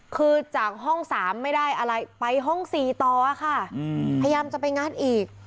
คือจากห้อง๓ไม่ได้อะไรไปห้อง๔ต่อค่ะพยายามจะไปงานอีก